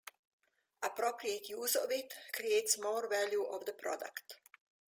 Appropriate use of it creates more value of the product.